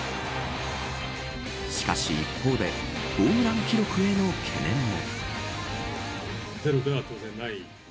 しかし、一方でホームラン記録への懸念も。